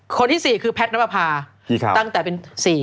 คนที่๔คือแพทน้ำอาภาตั้งแต่เป็น๔